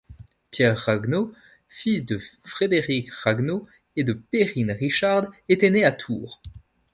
Pierre Ragueneau, fils de Frédéric Ragueneau et de Perrine Richarde, était né à Tours.